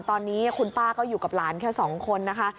ตอนนี้คุณป้าก็อยู่กับหลานแค่๒คนนะคะ